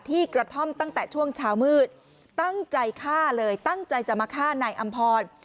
กระท่อมตั้งแต่ช่วงเช้ามืดตั้งใจฆ่าเลยตั้งใจจะมาฆ่านายอำพร